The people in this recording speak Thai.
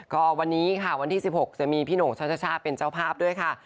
ก็วันนี้ค่ะวันที่๑๖จะมีพี่หน่งชัชชาเป็นเจ้าภาพด้วยค่ะ